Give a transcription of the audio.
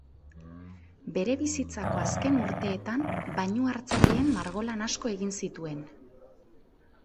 Bere bizitzako azken urteetan, bainu-hartzaileen margolan asko egin zituen.